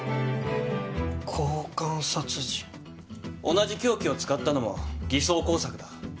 同じ凶器を使ったのも偽装工作だ。